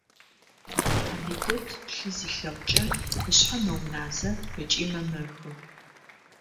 Абидэт лъы зилъэгъукӀэ ышъхьэ мэуназэ ыкӀи мэмэхы.